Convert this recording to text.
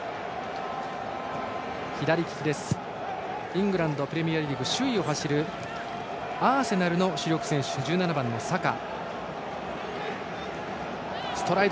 イングランドプレミアリーグ首位を走るアーセナルの主力選手１７番のサカ。